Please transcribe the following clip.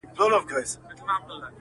كه راتلل به يې دربار ته فريادونه٫